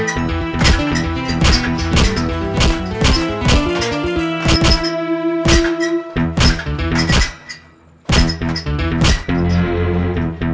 sekarang diesel nya gue kayak thousand run